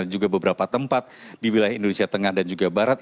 dan juga beberapa tempat di wilayah indonesia tengah dan juga barat